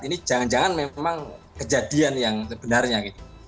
ini jangan jangan memang kejadian yang sebenarnya gitu